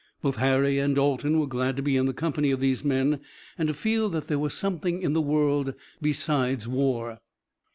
Both Harry and Dalton were glad to be in the company of these men, and to feel that there was something in the world besides war.